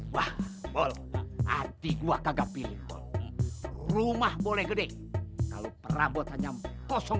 wah bol hati gua kagak pilih rumah boleh gede kalau perabotannya kosong